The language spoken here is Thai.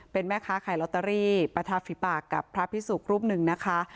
เป็นแม่ค้าขายลอตเตอรี่ประทับฝีปากกับพระพิสุกรูปหนึ่งนะคะ